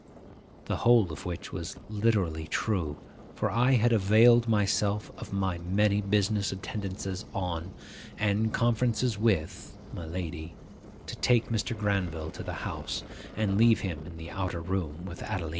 The whole of which was literally true; for I had availed myself of my many business attendances on, and conferences with, my lady, to take Mr. Granville to the house, and leave him in the outer room with Adelina.